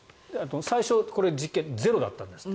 最初、実験ゼロだったんですって。